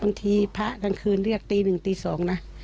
บางทีพระอาจคืนเรียกตี๑ตี๒นะ